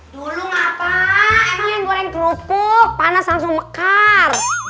dulu ngapa emang yang goreng kerupuk panas langsung mekar